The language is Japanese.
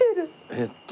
えっと。